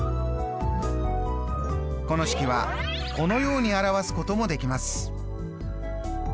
この式はこのように表すこともできます。